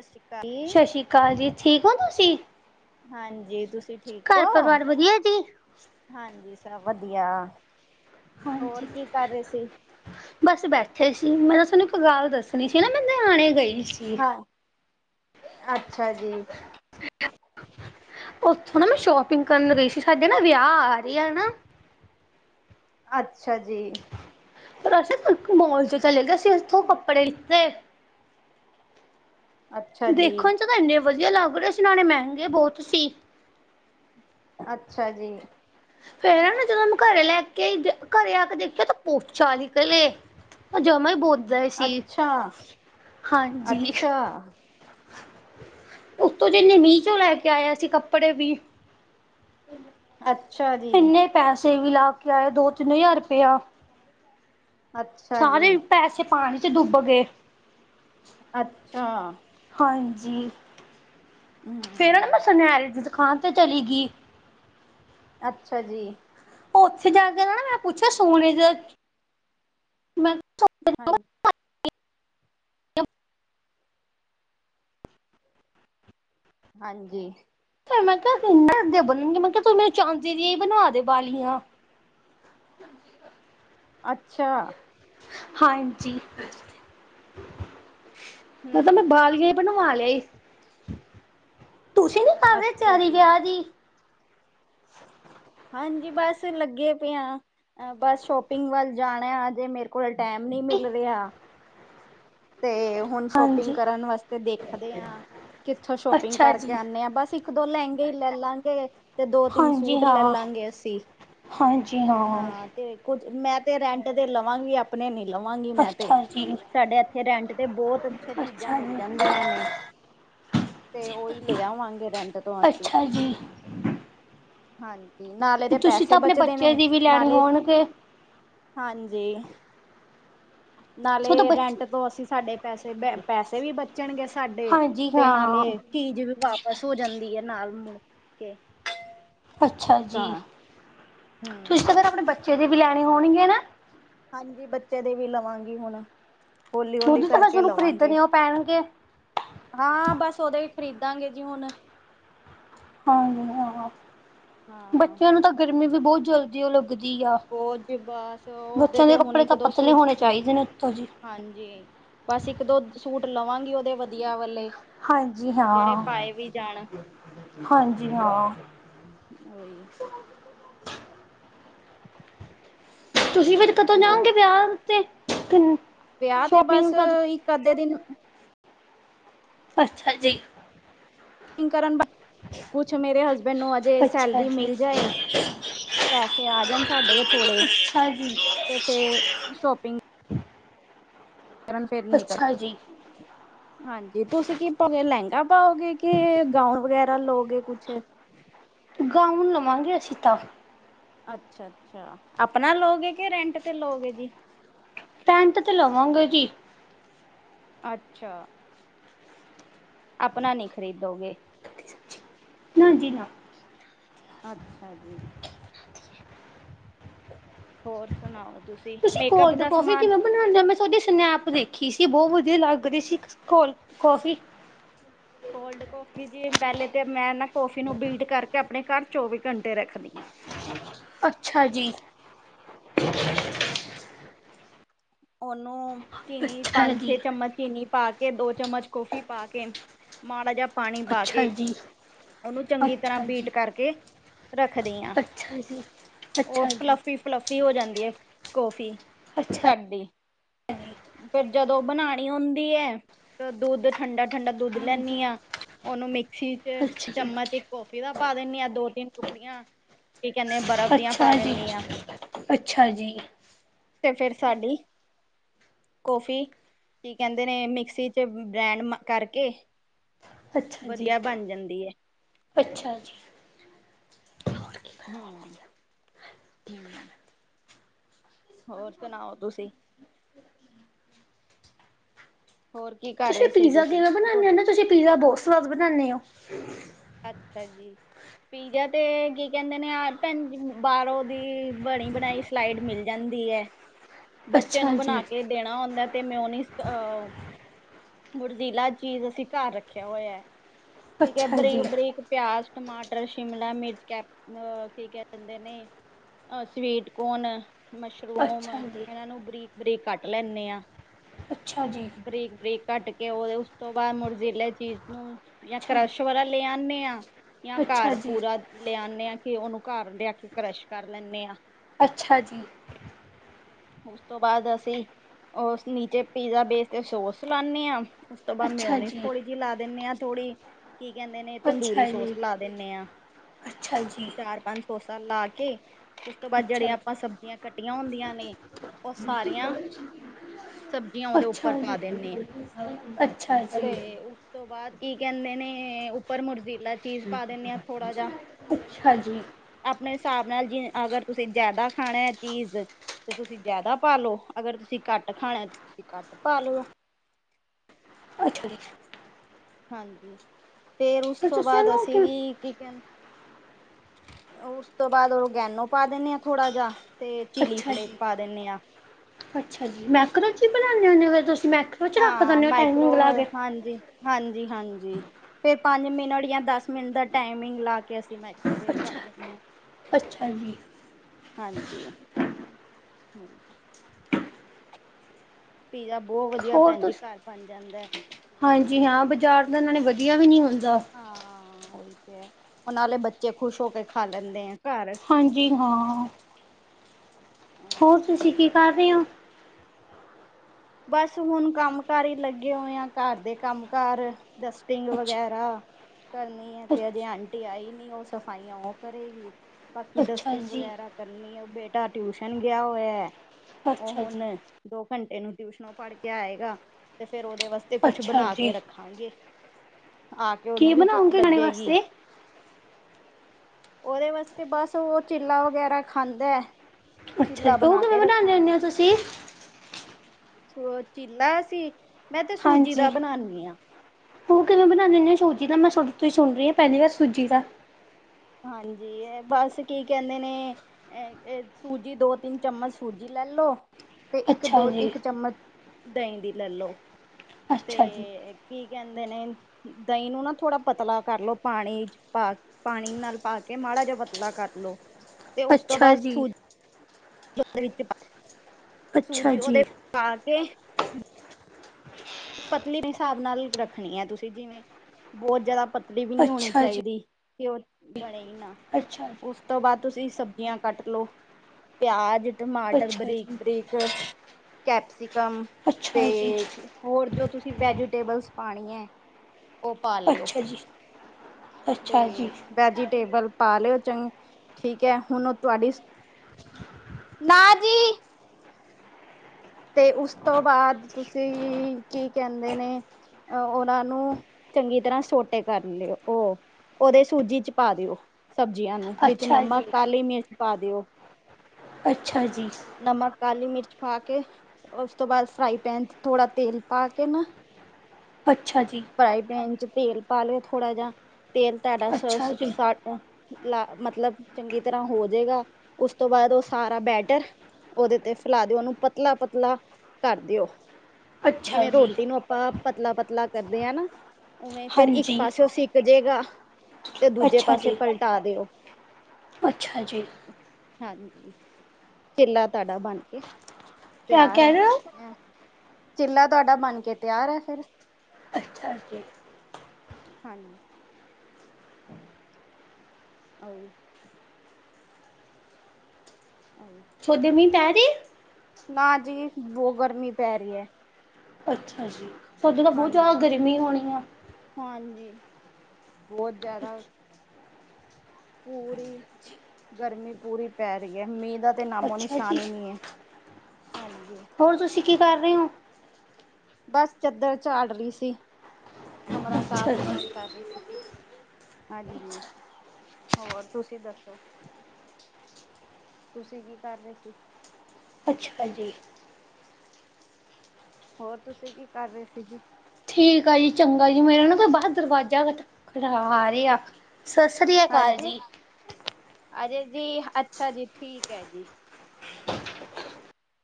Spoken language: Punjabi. ਸਤਿ ਸ਼੍ਰੀ ਅਕਾਲ ਜੀ। ਸਸ਼ੀ ਕਾਲ ਜੀ ਠੀਕ ਓ ਤੁਸੀਂ? ਹਾਂਜੀ ਤੁਸੀਂ ਠੀਕ ਘਰ ਓ? ਪਰਿਵਾਰ ਵਧੀਆ ਜੀ? ਹਾਂਜੀ ਸਬ ਵਦੀਆ ਹੋਰ ਹਾਂਜੀ ਕੀ ਕਰ ਰਏ ਸੀ? ਬਸ ਬੈਠੇ ਸੀ ਮੈਂ ਨਾ ਥੋਨੂੰ ਇੱਕ ਗੱਲ ਦੱਸਨੀ ਸੀ ਨਾ ਮੈਂ ਦਿਆਨੇ ਗਈ ਸੀ। ਹਾਂ ਅੱਛਾ ਜੀ। ਓਥੋਂ ਨਾ ਮੈਂ ਸ਼ੋਪਿੰਗ ਕਰਨ ਗਈ ਸੀ ਸਾਡੇ ਨਾ ਵਿਆ ਆ ਰਈ ਆ। ਅੱਛਾ ਜੀ। ਪਰ ਅਸੀਂ ਮੋਲ ਚ ਚਲੇ ਗਏ ਅਸੀਂ ਓਥੋਂ ਕੱਪੜੇ ਲਿੱਤੇ। ਅੱਛਾ ਜੀ ਦੇਖੋ ਚ ਤਾਂ ਇੰਨੇ ਵਦੀਆ ਲੱਗ ਰਏ ਸੀ ਨਾਲੇ ਮੈਂਗੇ ਬੋਤ ਸੀ। ਅੱਛਾ ਜੀ। ਫੇਰ ਨਾ ਜਦੋਂ ਮੈਂ ਘਰੇ ਲੈ ਕੇ ਆਈ ਘਰੇ ਆ ਕੇ ਦੇਖਿਆ ਤਾਂ ਪੋਚਾ ਨਿਕਲੇ। ਓ ਜਮਾ ਈ ਬੋਦਲਾ ਸੀ ਅੱਛਾ ਹਾਂਜੀ। ਅੱਛਾ ਓਤੋਂ ਜਿੰਨੇ ਮੀਂਹ ਚੋਂ ਲੈ ਕੇ ਆਇਆ ਸੀ ਕੱਪੜੇ ਵੀ ਅੱਛਾ ਜੀ। ਇੰਨੇ ਪੈਸੇ ਵੀ ਲਾ ਕੇ ਆਏ ਦੋ ਤਿੰਨ ਹਜ਼ਾਰ ਰੁਪੈਆ। ਅੱਛਾ ਸਾਰੇ ਜੀ ਪੈਸੇ ਪਾਨੀ ਚ ਡੁੱਬ ਗਏ। ਅੱਛਾ। ਹਾਂਜੀ। ਹਾਂ। ਫੇਰ ਨਾ ਮੈਂ ਸੁਨਿਆਰੇ ਦੀ ਦੁਕਾਨ ਤੇ ਚਲੀ ਗੀ। ਅੱਛਾ ਜੀ। ਓਥੇ ਜਾ ਕੇ ਨਾ ਮੈਂ ਪੁੱਛੇਆ ਸੋਨੇ ਦਾ ਮੈਂ ਹਾਂਜੀ। ਹਾਂਜੀ। ਫੇਰ ਮੈਂ ਕਿਆ ਘਰਦੇ ਬੋਲਨ ਗੇ ਮੈਂ ਕਿਆ ਮੇਰੇ ਚਾਂਦੀ ਦੀ ਆ ਬਨਾ ਦੇ ਵਾਲੀਆਂ। ਅੱਛਾ। ਹਾਂਜੀ ਓ ਤਾਂ ਹਮ ਮੈਂ ਬਾਲ ਕੇ। ਬਣਵਾ ਲਏ ਈ, ਤੁਸੀਂ ਨੀ ਕਰਦੇ ਅੱਛਾ ਤਿਆਰੀ ਜੀ ਵਿਆ ਦੀ। ਹਾਂਜੀ ਬਸ ਲੱਗੇ ਪੇ ਆਂ, ਬਸ ਸ਼ੋਪਿੰਗ ਵੱਲ ਜਾਣਾ ਅਜੇ ਮੇਰੇ ਕੋਲ ਟੈਮ ਨੀ ਮਿਲ ਰਿਆ। ਤੇ ਹੁਣ ਸ਼ੋਪਿੰਗ ਹਾਂਜੀ ਕਰਨ ਵਸਤੇ ਦੇਖਦੇ ਆਂ, ਕਿੱਥੋਂ ਸ਼ੋਪਿੰਗ ਅੱਛਾ ਕਰਕੇ ਜੀ ਆਨੇ ਆ ਬਸ ਇੱਕ ਇੱਕ-ਦੋ ਲੈਂਗੇ ਈ ਲੈਲਾ ਗੇ। ਤੇ ਦੋ-ਤਿੰਨ ਹਾਂਜੀ ਸੂਟ ਲੈ ਹਾਂ ਲਾਂਗੇ ਅਸੀਂ, ਹਾਂ। ਤੇ ਕੁੱਝ ਮੈਂ ਤੇ ਰੈਂਟ ਤੇ ਲਵਾਂਗੀ, ਆਪਣੇ ਨੀ ਲਵਾਂਗੀ ਮੈਂ ਤੇ। ਅੱਛਾ ਜੀ ਸਾਡੇ ਅ ਰੈਂਟ ਤੇ ਬੋਤ ਅੱਛੇ ਚੀਜ਼ਾਂ ਅੱਛਾ ਮਿਲ ਜੀ ਜਾਂਦੀਆ ਨੇ। ਤੇ ਓਈ ਲੈ ਆਵਾਂਗੇ ਰੈਂਟ ਤੋਂ ਅਸ ਅੱਛਾ ਜੀ। ਹਾਂਜੀ ਨਾਲੇ ਤੇ ਤੁਸੀਂ ਪੈਸੇ ਤਾਂ ਆਪਣੇ ਬਚਦੇ ਬੱਚੇ ਨੇ ਦੀ ਵੀ ਲੈਣੇ ਨਾਲੇ ਹੋਣਗੇ ਹਾਂਜੀ। ਨਾਲੇ ਉਹ ਤਾਂ ਬੱਚ ਰੈਂਟ ਤੋਂ ਅਸੀਂ ਸਾਡੇ ਪੈਸੇ, ਪੈਸੇ ਵੀ ਬਚਣਗੇ ਸਾਡੇ। ਹਾਂਜੀ ਤੇ ਹਾਂ। ਨਾਲੇ ਚੀਜ਼ ਵੀ ਵਾਪਸ ਹੋ ਜਾਂਦੀ ਐ ਨਾਲ ਮੁੜ। ਕੇ ਅੱਛਾ ਜੀ। ਹੂੰ। ਤੁਸੀਂ ਤਾਂ ਫੇਰ ਆਪਣੇ ਬੱਚੇ ਦੇ ਵੀ ਲੈਣੇ ਹੋਣਗੇ ਨਾ? ਹਾਂਜੀ ਬੱਚੇ ਦੇ ਵੀ ਲਵਾਂਗੀ ਹੁਣ। ਹੌਲੀ ਹੌਲੀ ਖੁਦ ਤੋ ਵੈਸੇ ਕਰਕੇ ਓਨੂੂ ਲਵਾਂਗੇ ਖਰੀਦਣੇ ਓ ਪੈਣਗੇ। ਹਾਂ ਬਸ ਓਦੋਂ ਈ ਖਰੀਦਾਂਗੇ ਜੀ ਹੁਣ। ਹਾਂਜੀ ਹਾਂ ਹਾਂ ਬੱਚਿਆਂ ਨੂੰ ਤਾਂ ਗਰਮੀ ਵੀ ਬੋ ਜਲਦੀ ਓ ਲੱਗਦੀ ਆ। ਉਹ ਜ ਬਸ ਉਹਦੇ ਬੱਚਿਆਂ ਤੇ ਦੇ ਹੁਣ ਕੱਪੜੇ ਇੱਕ ਤਾਂ ਦੋ ਸੂ ਪਤਲੇ ਹੋਣੇ ਚਾਈਦੇ ਨੇ ਉੱਤੋਂ ਜੀ। ਹਾਂਜੀ ਬਸ ਇੱਕ ਦੋ ਸੂਟ ਲਵਾਂਗੀ ਓਦੇ ਵਧੀਆ ਵਲੇ। ਹਾਂਜੀ ਹਾਂ, ਹਾਂਜੀ ਹਾਂ। ਓਈ। ਤੁਸੀਂ ਫੇਰ ਕਦੋਂ ਜਾਓਗੇ ਵਿਆ ਉਤੇ। ਵਿਆ ਤੇ ਬਸ ਇੱਕ ਅੱਧੇ ਦਿਨ ਅੱਛਾ ਜੀ। ਸ਼ੋਪਿਗ ਕਰਨ, ਕੁਛ ਮੇਰੇ ਹਸਬੈਂਡ ਨੂੰ ਅਜੇ ਅੱਛਾ ਸੈਲਰੀ ਜੀ ਮਿਲ ਜਾਏ। ਪੈਸੇ ਆ ਜਾਣ ਸਾਡੇ ਕੋ ਥੋੜੇ ਅੱਛਾ ਜੀ ਤੇ ਫੇਰ ਸ਼ੋਪਿੰਗ ਕਰਨ ਫੇਰ ਅੱਛਾ ਨਿਕਲਾ ਜੀ ਹਾਂਜੀ ਤੁਸੀਂ ਕੀ ਪਾਓ ਗੇ ਲੈਂਗਾ ਪਾਓਗੇ, ਕਿ ਗਾਊਨ ਵਗੈਰਾ ਲਓਗੇ ਕੁਛ? ਗਾਊਨ ਲਵਾਂਗੇ ਅਸੀ ਤਾਂ। ਅੱਛਾ-ਅੱਛਾ, ਆਪਣਾ ਲਓਗੇ ਕੇ ਰੈਂਟ ਤੇ ਲ‌ਓਗੇ ਜੀ? ਰੈਂਟ ਤੇ ਲਵਾਂਗੇ ਜੀ। ਅੱਛਾ। ਆਪਣਾ ਨੀ ਖਰੀਦੋਗੇ। ਨਾ ਜੀ ਨਾ। ਅੱਛਾ ਜੀ। ਹੋਰ ਸੁਣਾਓ ਤੁਸੀਂ? ਮੇਕਅਪ ਦਾ ਸਮਾਨ ਮੈਂਨੂੰ ਏਂਜ ਲਗਦਾ ਮੈ ਸੋਡੀ ਸਨੈਪ ਵੇਖੀ ਸੀ, ਬੋ ਵਧੀਆ ਲੱਗ ਰੀ ਸੀ। ਕੋਲ ਕੋਫੀ ਕੋਲਡ ਕੋਫੀ ਜੀ ਪੈਲੇ ਤੇ ਮੈਂ ਨਾ ਕੋਫੀ ਨੂੰ ਬੀਟ ਕਰਕੇ, ਆਪਣੇ ਘਰ ਚੋਵੀ ਘੰਟੇ ਰੱਖਣੀ ਆਂ। ਅੱਛਾ ਜੀ। ਓਨੂੰ ਚੀਨੀ ਅੱਛਾ ਪੰਜ-ਛੇ ਜੀ ਚਮਚ ਚੀਨੀ ਪਾ ਕੇ, ਦੋ ਚਮਚ ਕੋਫੀ ਪਾ ਕੇ ਮਾੜਾ ਜੇਆ ਪਾਣੀ ਪਾ ਕੇ, ਅੱਛਾ ਜੀ ਓਨੂੰ ਚੰਗੀ ਤਰ੍ਹਾਂ ਅੱਛਾ ਬੀਟ ਜੀ ਕਰਕੇ ਰੱਖਦੀ ਆ, ਅੱਛਾ ਜੀ ਓ ਅੱਛਾ ਜੀ ਫਲੱਫੀ-ਫਲੱਫੀ ਹੋ ਜਾਂਦੀ ਐ ਕੋਫੀ। ਅੱਛਾ। ਹਾਂਜੀ। ਜੀ ਫੇਰ ਜਦੋਂ ਬਣਾਣੀ ਹੁੰਦੀ ਐ, ਤੇ ਦੁੱਧ ਠੰਡਾ-ਠੰਡਾ ਦੁੱਧ ਹਾਂਜੀ ਲੈਣੀ ਆ ਓਨੂੰ ਮਿਕਸੀ ਚ ਅੱਛਾ ਚਮਚ ਜੀ ਇੱਕ ਕੌਫੀ ਦਾ ਪਾ ਦਿੰਨੀ ਆ ਦੋ ਤਿੰਨ ਟੁਕੜੀਆਂ ਇੱਕ ਏਨੀਆ ਬਰਫ਼ ਦੀਆਂ ਅੱਛਾ ਪਾ ਜੀ ਦਿੰਦੀ ਆ। ਅੱਛਾ ਜੀ। ਤੇ ਫੇਰ ਸਾਡੀ ਕੋਫੀ, ਕੀ ਕੇਂਦੇ ਨੇ ਮਿਕਸੀ ਚ ਬ੍ਰੈਂਡ ਕਰਕੇ ਅੱਛਾ ਵਧੀਆ ਜੀ- ਬਣ ਜਾਂਦੀ ਹੈ ਅੱਛਾ ਜੀ। ਹੂੰ- ਹੁ। ਹੋਰ ਸੁਣਾਓ ਤੁਸੀ? ਹੋਰ ਕੀ ਕਰ ਰਏ ਸੀ ਤੁਸੀਂ? ਕੌਫੀ ਪੀਜਾ ਬੋਤ ਸਵਾਦ ਬਨਾਨੇ ਓ। ਅੱਛਾ ਜੀ। ਪੀਜ਼ਾ ਤੇ ਕੀ ਕੇਂਦੇ ਨੇ ਅ ਭੈਣ ਜੀ ਬਾਰੋਂ ਦੀ ਬਣੀ ਬਣਾਈ ਸਲਾਈਡ ਮਿਲ ਜਾਂਦੀ ਐ, ਬੱਚੇ ਅੱਛਾ ਨੂੰ ਬਣਾ ਜੀ ਕੇ ਦੇਣਾ ਹੁੰਦਾ ਤੇ ਮਿਓਨਿਸ ਅ ਵੁਰਜੀਲਾ ਚੀਜ਼ ਅਸੀਂ ਘਰ ਰੱਖੇਆ ਹੋਏਆ। ਠੀਕ ਹੈ ਅੱਛਾ ਬਰੇ ਜੀ ਇੱਕ ਪਿਆਜ, ਟਮਾਟਰ, ਸ਼ਿਮਲਾ ਮਿਰਚ, ਕੇਤਕੀ, ਕੀ ਕਹਿ ਦਿੰਦੇ ਨੇ ਹ ਸਵੀਟਕੋਨ, ਮਸ਼ਰੂਮ ਅੱਛਾ ਜੀ ਇਹਨਾਂ ਨੂੰ ਬਰੀਕ, ਬਰੀਕ ਕੱਟ ਲੈਂਦੇ ਆਂ। ਅੱਛਾ ਜੀ। ਬਰੀਕ -ਬਰੀਕ ਕੱਟ ਕੇ ਉਹ ਉਸ ਤੋਂ ਬਾਅਦ ਮੁਜ਼ਰੇਲਾ ਚੀਜ਼ ਨੂੰ ਜਾਂ ਅੱਛਾ ਕਰੱਸ਼ ਜੀ, ਵਾਲਾ ਲੈ ਆਉਦੇ ਹਾਂ ਜਾਂ ਅੱਛਾ ਘਰ ਜੀ ਪੂਰਾ ਲਿਆਨੇ ਆ ਕਿ ਉਹਨੂੰ ਘਰ ਲਿਆ ਕੇ ਕਰਸ਼ ਕਰ ਲੈਂਦੇ ਆ। ਅੱਛਾ ਜੀ। ਉਸ ਤੋਂ ਬਾਅਦ ਅਸੀਂ ਉਸ ਨੀਚੇ ਪੀਜ਼ਾ ਬੇਸ ਤੇ ਸੋਸ ਲਾਦੇ ਹਾਂ ਤੋਂ ਮੈਂਉਨਿਸ ਥੋੜ੍ਹੀ ਜੀ ਲਾ ਦਿੰਦੇ ਹਾਂ ਥੋੜੀ ਕੀ ਕਹਿੰਦੇ ਨੇ ਤੰਦੂਰੀ ਅੱਛਾ ਜੀ ਸੋਸ ਲਾ ਦਿੰਦੇ ਆ। ਅੱਛਾ ਜੀ। ਸੋਸਾ ਲਾ ਕੇ ਉਸ ਤੋਂ ਬਾਅਦ ਜਿਹੜੀਆਂ ਆਪਾਂ ਸਬਜ਼ੀਆਂ ਕੱਟੀਆਂ ਹੁੰਦੀਆਂ ਨੇ ਉਹ ਸਾਰੀਆਂ ਸਬਜ਼ੀਆਂ ਉਹਦੇ ਅੱਛਾ, ਉੱਪਰ ਪਾ ਦਿੰਨੇ ਆ ਅੱਛਾ। ਅੱਛਾ ਜੀ। ਤੇ ਉਸ ਤੋਂ ਬਾਅਦ ਕੀ ਕਹਿੰਦੇ ਨੇ ਉੱਪਰ ਮੁਰਜੀਲਾ ਚ ਅੱਛਾ ਜੀ। ਆਪਣੇ ਹਿਸਾਬ ਨਾਲ ਜਿ, ਅਗਰ ਤੁਸੀਂ ਜਿਆਦਾ ਖਾਣਾ ਹੈ ਚੀਜ਼ ਤੇ ਤੁਸੀਂ ਜਿਆਦਾ ਪਾ ਲਓ ਅਗਰ ਤੁਸੀਂ ਘੱਟ ਖਾਣਾ ਤੁਸੀਂ ਘੱਟ ਪਾ ਲਓ ਅੱਛਾ ਠੀਕ ਹੈ। ਹਾਂਜੀ, ਫੇਰ ਉਸ ਫਿਰ ਤੋਂ ਤੁਸੀਂ ਬਾਅਦ ਉਹਨੂੰ ਅਸੀਂ ਕਿ ਵੀ ਕੀ ਕਹਿ ਉਸ ਤੋਂ ਬਾਅਦ ਉਹ ਰੋਗੈਨੋ ਪਾ ਦਿੰਦੇ ਆ ਥੋੜਾ ਜਿਹਾ ਤੇ ਚਿਲੀ ਅੱਛਾ ਫਲੇਕ ਜੀ ਪਾ ਦਿੰਦੇ ਆ ਅੱਛਾ ਜੀ ਮੈਕਰੋਚੀ ਬਣਾਉਂਦੇ ਹੁੰਦੇ ਹੋ ਤੁਸੀਂ ਮੈ ਹਾਂ ਮਾਈਕ੍ਰੋ, ਹਾਂਜੀ। ਹਾਂਜੀ -ਹਾਂਜੀ ਫਿਰ ਪੰਜ ਮਿੰਟ ਜਾਂ ਦਸ ਮਿੰਟ ਦਾ ਟਾਈਮਿੰਗ ਲਾ ਕੇ ਅਸੀਂ ਮੈ ੳਵੇਂ ਅੱਛਾ ਕਰਦੇ ਨੇ ਅੱਛਾ ਜੀ ਹਾਂਜੀ। ਪੀਜਾ ਬੋਤ ਵਧੀਆ ਹੋਰ ਭੈਨਜੀ ਤੁਸੀਂ ਘਰ ਬਨ ਜਾਂਦਾ। ਹਾਂਜੀ ਹਾਂ ਬਾਜਾਰ ਦਾ ਨਾਲੇ ਵਧੀਆ ਵੀ ਨੀ ਹੁੰਦਾ। ਹਾਂ, ੳਈ ਤੇ ਏ, ਔਰ ਨਾਲੇ ਬੱਚੇ ਖੁਸ਼ ਹੋ ਕੇ ਖਾ ਲੈਂਦੇ ਐਂ ਘਰ। ਹਾਂਜੀ ਹਾਂ। ਹੋਰ ਤੁਸੀ ਕੀ ਕਰ ਰਂਏ ੳ? ਬਸ ਹੁਣ ਕੰਮ ਕਾਰ ਈ ਲੱਗੇ ਹੋਏ ਆਂ, ਘਰ ਦੇ ਕੰਮ ਕਾਰ। ਡਸਟਿੰਗ ਅੱਛਾ ਵਗੈਰਾ ਕਰਨੀ ਐ, ਤੇ ਅੱਛਾ ਅਜੇ ਆਂਟੀ ਆਈ ਨੀ ੳਹ ਸਫਾਈਆਂ ੳਹ ਕਰੇਗੀ। ਬਾਕੀ ਅੱਛਾ ਡਸਤਿੰਗ ਜੀ, ਵਗੈਰਾ ਕਰਨੀ ਐ, ਬੇਟਾ ਟਿਊਸ਼ਨ ਗਿਆ ਹੋਏਆ ੳਹ ਅੱਛਾ ਹੁਣ ਜੀ, ਦੋ ਘੰਟੇ ਨੂੰ ਟਿਊਸ਼ਨੋ ਪਢ਼ ਕੇ ਆਏਗਾ ਤੇ ਫੇਰ ੳਦੇ ਵਾਸਤੇ ਕੁਛ ਅੱਛਾ ਬਨਾ ਜੀ। ਕੇ ਰੱਖਾਂਗੀ। ਆ ਕੇ ਕੀ ੳਨੂੰ ਵੀ ਭੁੱਖ ਬਣਾਓਗੇ ਖਾਣੇ ਲੱਗੇਗੀ ਵਾਸਤੇ? ਤੇ ੳਰੇ ਵਾਸਤੇ ਬਸ ੳਹ ਚੀਲਾ ਵਗੈਰਾ ਖਾਂਦਾ, ਅੱਛਾ ਜੀ, ਚੀਲਾ ਉਹ ਬਨਾ ਕਿਵੇਂ ਕੇ ਬਣਾਉਂਦੇ ਹੁੰਦੇ ਰੱਖਾਂਗੀ‌। ਹੋ ਤੁਸੀਂ? ਸੁ ੳ ਚੀਲਾ ਸੀ। ਮੈਂ ਤੇ ਸੂਜੀ ਦਾ ਹਾਂਜੀ। ਬਨਾਨੀ ਆ। ਉਹ ਕਿਵੇਂ ਬਨਾਦੇ ਨੇ ਸੂਜੀ ਦਾ। ਮੈਂ ਤਾਡੇ ਤੋ ਸੁਨ ਰੀ ਆ ਪੈਲੀ ਵਾਰ ਸੂਜੀ ਦਾ। ਹਾਂਜੀ। ਬਸ ਕੀ ਕੈਂਦੇ ਨੇ ਐ ਏ, ਸੂਜੀ ਦੋ-ਤਿੰਨ ਚਮਚ ਸੂਜੀ ਲੈ ਲੋ। ਤੇ ਇੱਕ ਅੱਛਾ ਦੋ ਜੀ, ਇੱਕ ਚਮਚ ਦਹੀ ਦੀ ਲੈ ਲੋ ਅੱਛਾ ਜੀ, ਤੇ ਕੀ ਕੈਂਦੇ ਨੇ, ਦਹੀਂ ਨੂੰ ਨਾ ਥੋੜਾ ਪਤਲਾ ਕਰਲੋ ਪਾਨੀ ਪਾ ਪਾਨੀ ਨਾਲ ਪਾ ਕੇ ਮਾੜਾ ਜਾ ਪਤਲਾ ਕਰ ਲੋ। ਤੇ ਉਸ ਤੋਂ ਅੱਛਾ ਬਾਅਦ ਜੀ। ਸੂਜੀ ਅੱਛਾ ਸੂਜੀ ਉਹਦੇ ਜੀ, ਚ ਪਾ ਕੇ ਪਤਲੀ ਦੇ ਹਿਸਾਬ ਨਾਲ ਰੱਖਨੀ ਐ ਤੁਸੀ, ਜਿਵੇਂ ਬੋਤ ਜਾਦਾ ਪਤਲੀ ਵੀ ਨਈ ਹੋਨੀ ਅੱਛਾ ਜੀ, ਚਾਈਦੀ। ਕੇ ੳਹ ਬਨੇ ਈ ਨਾ। ਅੱਛਾ। ੳਸ ਤੋ ਬਾਦ ਤੁਸੀ ਸਬਜੀਆਂ ਕਟ ਲੋ। ਪਿਆਜ, ਟਮਾਟਰ ਅੱਛਾ ਜੀ। ਬਰੀਕ-ਬਰੀਕ ਕੈਪਸਿਕਮ ਤੇ ਅੱਛਾ ਜੀ, ਹੋਰ ਜੋ ਤੁਸੀ ਵੈਜੀਟੇਬਲਸ ਪਾਨੀਐਂ। ਅੱਛਾ ਜੀ। ਤੇ ਅੱਛਾ ਜੀ, ਵੈਜੀਟੇਬਲ ਪਾ ਲੋ ਚੰਗ ਠੀਕ ਐ, ਹੁਣ ੳ ਤੁਆਡੀ ਨਾ ਜੀ। ਤੇ ਉਸ ਤੋਂ ਬਾਦ ਤੁਸੀ, ਕੀ ਕੈਂਦੇ ਨੇ ਅ ੳਨਾਂ ਨੂੰ ਚੰਗੀ ਤਰਾਂ ਸੋਟੇ ਕਰ ਲਿਓ ੳ ੳਦੇ ਸੂਜੀ ਚ ਪਾ ਦੇਓ। ਸਬਜੀਆਂ ਨੂੰ ਵਿੱਚ ਅੱਛਾ ਜੀ। ਨਮਕ, ਕਾਲੀ ਮਿਰਚ ਪਾ ਦੇਓ। ਅੱਛਾ ਜੀ। ਨਮਕ, ਕਾਲੀ ਮਿਰਚ ਪਾ ਕੇ ਸ ਤੋਂ ਬਾਦ ਫਰਾਈ ਪੈਨ ਚ ਥੋੜਾ ਤੇਲ ਪਾ ਕੇ ਨਾ ਅੱਛਾ ਜੀ। ਫਰਾਈ ਪੈਨ ਚ ਤੇਲ ਪਾ ਲੋ ਥੋੜਾ ਜਾ, ਤੇਲ ਤਾਡਾ ਸ ਸ ਅੱਛਾ ਜੀ, ਸੜ ਲਾ ਮਤਲਬ ਚੰਗੀ ਤਰਾਂ ਹੋਜੇਗਾ, ਉਸ ਤੋਂ ਬਾਦ ੳਹ ਸਾਰਾ ਬੈਟਰ ੳਦੇ ਤੇ ਫੈਲਾ ਦੇਓ, ੳਨੂੰ ਪਤਲਾ-ਪਤਲਾ ਕਰ ਦੇਓ ਅੱਛਾ ਜਿਵੇਂ ਜੀ। ਰੋਟੀ ਨੂੰ ਅਪ ਆਪਾਂ ਪਤਲਾ-ਪਤਲਾ ਕਰਦੇ ਆ ਨਾ, ਉਵੇਂ ਫੇਰ ਇੱਕ ਹਾਂਜੀ, ਪਾਸੋਂ ਸਿੱਕ ਜੇਗਾ। ਤੇ ਦੂਜੇ ਅੱਛਾ ਪਾਸੇ ਏ ਜੀ, ਪਲਟਾ ਦੇਓ ਅੱਛਾ ਜੀ। ਹਾਂਜੀ ਈ ਕਿੱਲਾ ਤਾਡਾ ਬਣ ਕੇ ਏ ਤਿਆਰ ਐ ਚਿੱਲਾ ਆ ਤਾਡਾ ਬਣ ਕੇ ਤਿਆਰ ਏ ਫਿਰ ਅੱਛਾ ਆ ਜੀ ਈ ਹਾਂਜੀ ਈ [inaudible] ਆਈ ਆਏ ਸੋਡੇ ਏ ਮੀਂਹ ਪੈ ਰਈ ਐ ਨਾ ਜੀ ਈ ਬਹੁ ਗਰਮੀ ਪੈ ਰਹੀ ਐ ਅੱਛਾ ਆ ਜੀ ਈ ਤੁਹਾਡੇ ਤੇ ਬਹੁਤ ਜ਼ਿਆਦਾ ਹਾਂਜੀ ਆ ਗਰਮੀ ਹੋਣੀ ਆ ਹਾਂਜੀ ਈ ਬੋਤ ਜ਼ਿਆਦਾ ਆ ਪੂਰੀ ਗਰਮੀ ਪੂਰੀ ਪੈ ਰਹੀ ਹੈ ਮੀਂਹ ਦਾ ਤੇ ਨਾਮੋ ਅੱਛਾ ਜੀ ਨਿਸ਼ਾਨ ਹੀ ਨੀ ਐ ਹਾਂਜੀ ਹੋਰ ਤੁਸੀਂ ਕੀ ਕਰ ਰਹੇ ਓ ਬਸ ਚਾਦਰ ਝਾੜ ਰਹੀ ਸੀ ਕਮਰਾ ਸਾਫ ਅੱਛਾ ਜੀ ਸਫ਼ਾਈ ਕਰ ਰਹੀ ਹਾਂਜੀ ਹੋਰ ਤੁਸੀਂ ਦੱਸੋ ਤੁਸੀਂ ਕਿ ਕਰ ਰਹੇ ਸੀ ਆ ਛਾ ਜੀ ਹੋਰ ਤੁਸੀਂ ਕੀ ਕਰ ਰਹੇ ਸੀ ਜੀ ਠੀਕ ਆ ਜੀ ਚੰਗਾ ਜੀ ਮੇਰੇ ਨਾ ਬਾਹਰ ਦਰਵਾਜ਼ਾ ਖਟ ਖੱਟਕਾ ਵਾ ਆ ਰੀਆ ਸਤਿ ਸ਼੍ਰੀ ਅਕਾਲ ਜੀ ਅਰੇ ਜੀ ਅੱਛਾ ਜੀ ਠੀਕ ਹੈ ਜੀ